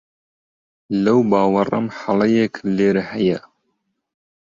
لەو باوەڕەم هەڵەیەک لێرە هەیە.